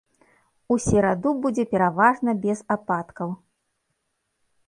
У сераду будзе пераважна без ападкаў.